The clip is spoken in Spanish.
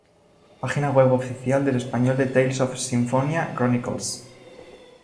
Página web oficial en español de Tales of Symphonia Chronicles